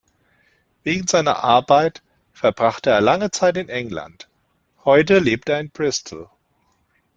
Wegen seiner Arbeit verbrachte er lange Zeit in England, heute lebt er in Bristol.